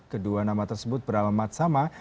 kedua nama tersebut beralamat sama